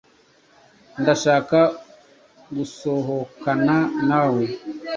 ndashaka gusohokana nawe.